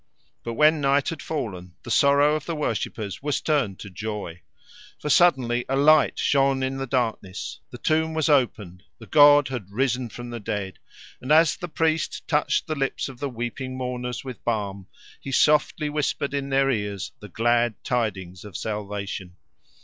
But when night had fallen, the sorrow of the worshippers was turned to joy. For suddenly a light shone in the darkness: the tomb was opened: the god had risen from the dead; and as the priest touched the lips of the weeping mourners with balm, he softly whispered in their ears the glad tidings of salvation.